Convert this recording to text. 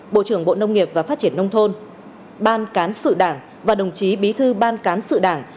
bộ trưởng bộ nông nghiệp và phát triển nông thôn ban cán sự đảng và đồng chí bí thư ban cán sự đảng